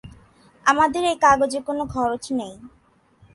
আমাদের এ কাগজে কোনো খরচ নেই।